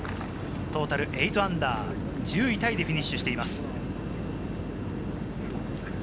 トータル−８、１０位タイでフィニッシュしています。